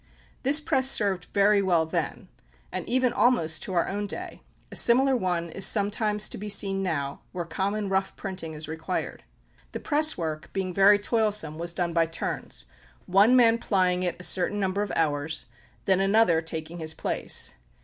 This press served very well then, and even almost to our own day; a similar one is sometimes to be seen now, where common rough printing is required. The press work, being very toilsome, was done by turns, one man plying it a certain number of hours, then another taking his place.